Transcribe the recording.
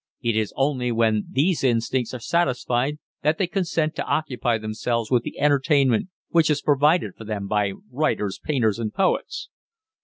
It is only when these instincts are satisfied that they consent to occupy themselves with the entertainment which is provided for them by writers, painters, and poets."